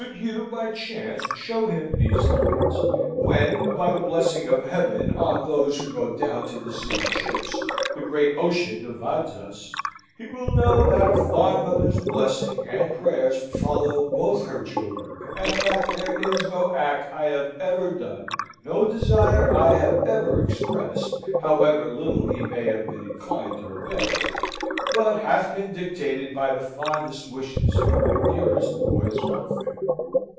Should you by chance show him these lines, when, by the blessing of Heaven on those who go down to the sea in ships, the Great Ocean divides us! he will know that a fond mother's blessing and prayers follow both her children, and that there is no act I have ever done, no desire I have ever expressed (however little he may have been inclined to obey it!) but hath been dictated by the fondest wishes for my dearest boys' welfare."